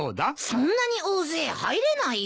そんなに大勢入れないよ。